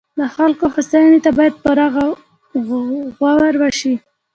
د خلکو هوساینې ته باید پوره غور وشي.